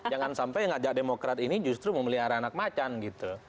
jangan sampai ngajak demokrat ini justru memelihara anak macan gitu